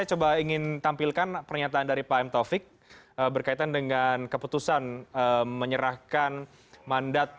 om places hubungan dengan pks